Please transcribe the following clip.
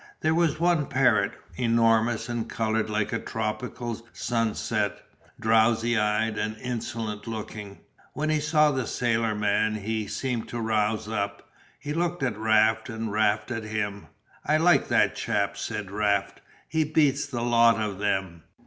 There was one parrot, enormous and coloured like a tropical sunset, drowsy eyed and insolent looking. When he saw the sailor man he seemed to rouse up. He looked at Raft and Raft at him. "I'd like that chap," said Raft, "he beats the lot of them."